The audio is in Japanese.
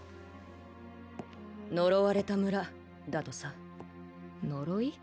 呪われた村だとさ呪い？